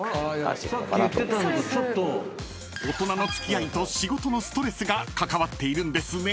［大人の付き合いと仕事のストレスが関わっているんですね］